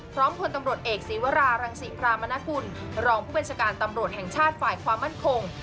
ผลตำรวจเอกศีวรารังศิพรามนกุลรองผู้บัญชาการตำรวจแห่งชาติฝ่ายความมั่นคง